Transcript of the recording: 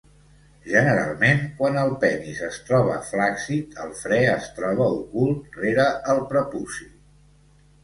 Generalment, quan el penis es troba flàccid el fre es troba ocult rere el prepuci.